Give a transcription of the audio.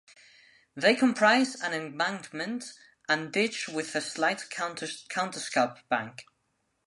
They comprise an embankment and ditch with a slight counter-scarp bank.